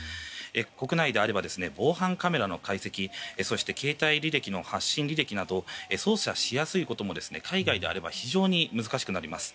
国内であれば防犯カメラの解析や携帯の発信履歴など捜査しやすいことも海外であれば非常に難しくなります。